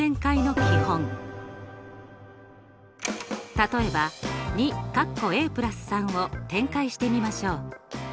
例えば２を展開してみましょう。